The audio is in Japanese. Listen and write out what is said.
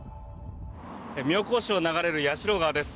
妙高市を流れる矢代川です。